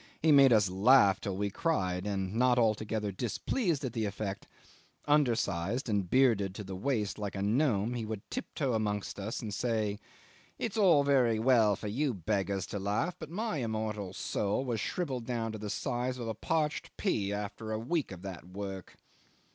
He made us laugh till we cried, and, not altogether displeased at the effect, undersized and bearded to the waist like a gnome, he would tiptoe amongst us and say, "It's all very well for you beggars to laugh, but my immortal soul was shrivelled down to the size of a parched pea after a week of that work."